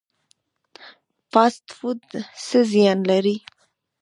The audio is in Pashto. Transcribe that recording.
فاسټ فوډ څه زیان لري؟